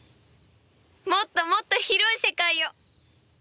もっともっと広い世界を！